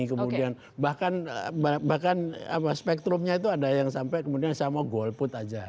kemudian bahkan spektrumnya itu ada yang sampai kemudian saya mau golput aja